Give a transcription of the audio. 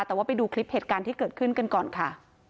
แต่ว่าไปดูคลิปเหตุการณ์ที่เกิดขึ้นกันก่อนค่ะ